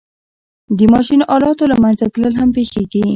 د ماشین آلاتو له منځه تلل هم پېښېږي